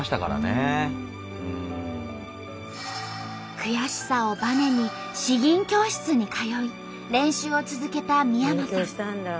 悔しさをばねに詩吟教室に通い練習を続けた三山さん。